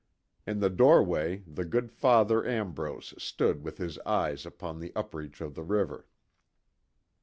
In the doorway the good Father Ambrose stood with his eyes upon the up reach of the river.